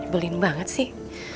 tuh belin banget sih